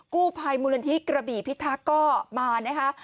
กู้ภัยมุรณฐิกระบี่พิธาก่อบ้านนะคะ